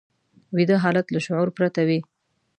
ویده حالت له شعور پرته وي